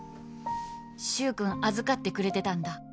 「柊くん預かってくれてたんだ」